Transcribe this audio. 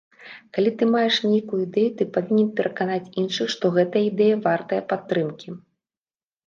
Калі ты маеш нейкую ідэю, ты павінен пераканаць іншых, што гэтая ідэя вартая падтрымкі.